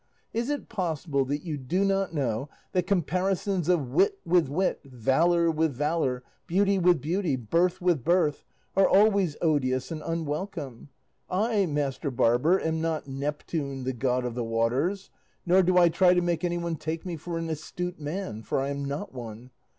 Is it possible that you do not know that comparisons of wit with wit, valour with valour, beauty with beauty, birth with birth, are always odious and unwelcome? I, master barber, am not Neptune, the god of the waters, nor do I try to make anyone take me for an astute man, for I am not one.